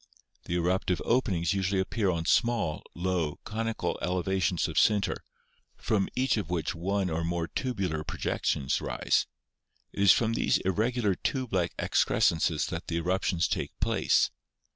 The eruptive openings usually appear on small, low, conical elevations of sinter, from each of which one or more tubular projections rise. It is from these irregular tube like excrescences that the eruptions take place.